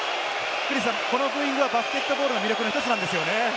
このブーイングはバスケットボールの魅力の１つなんですよね。